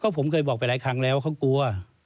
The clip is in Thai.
ผมเคยบอกไปหลายครั้งแล้วเขากลัว